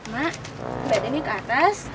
mak badannya ke atas